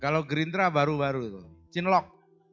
kalau gerindra baru baru itu cinlok